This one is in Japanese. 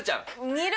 煮る。